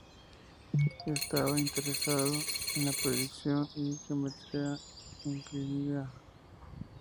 Estaba interesado en la proyección y la geometría no euclidiana.